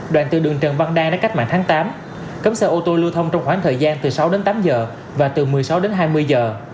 đoạn từ đường trần văn đang đến cách mạng tháng tám cấm xe ô tô lưu thông trong khoảng thời gian từ sáu đến tám giờ và từ một mươi sáu đến hai mươi giờ